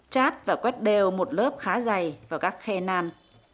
trát và quét đều một lớp khá dày vào các khe nan